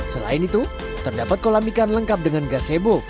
selain itu terdapat kolam ikan lengkap dengan gas sebo